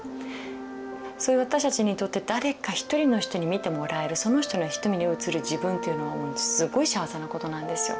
私たちにとって誰か一人の人に見てもらえるその人の瞳に映る自分っていうのはすごい幸せなことなんですよ。